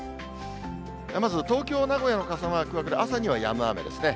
まず東京、名古屋の傘マークはこれ、朝にはやむ雨ですね。